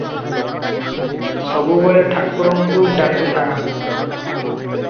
ସବୁବେଳେ ଠାକୁରଙ୍କୁ ଡାକୁଥା ।"